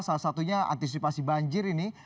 salah satunya antisipasi banjir ini